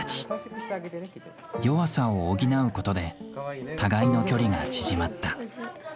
弱さを補うことで互いの距離が縮まった。